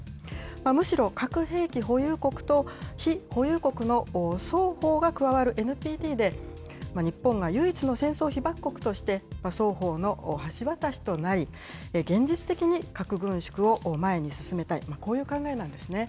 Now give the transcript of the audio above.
むしろ核兵器保有国と、非保有国の双方が加わるＮＰＴで、日本が唯一の戦争被爆国として、双方の橋渡しとなり、現実的に核軍縮を前に進めたい、こういう考えなんですね。